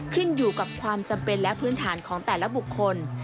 ขึ้นอยู่กับความจำเป็นและพื้นฐานของแต่ละบุคคล